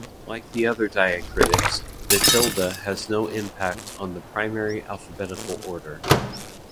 Like the other diacritics, the tilde has no impact on the primary alphabetical order.